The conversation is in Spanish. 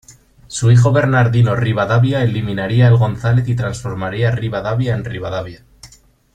Su hijo Bernardino Rivadavia eliminaría el González y transformaría Ribadavia en Rivadavia.